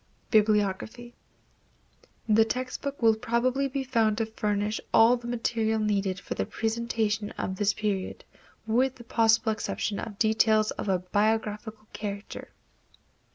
Bibliography. The text book will probably be found to furnish all the material needed for the presentation of this period, with the possible exception of details of a biographical character.